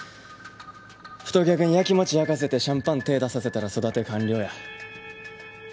太客にやきもちやかせてシャンパン手ぇ出させたら育て完了や。